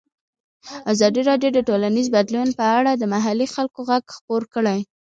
ازادي راډیو د ټولنیز بدلون په اړه د محلي خلکو غږ خپور کړی.